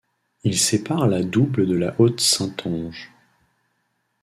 Il sépare la Double de la Haute Saintonge.